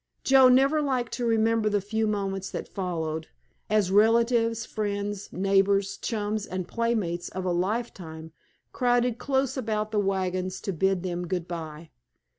Joe never liked to remember the few moments that followed, as relatives, friends, neighbors, chums, and playmates of a lifetime crowded close about the wagons to bid them good bye.